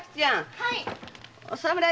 はい。